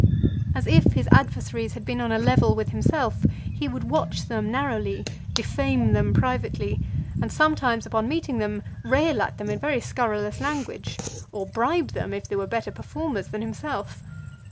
As if his adversaries had been on a level with himself, he would watch them narrowly, defame them privately, and sometimes, upon meeting them, rail at them in very scurrilous language; or bribe them, if they were better performers than himself.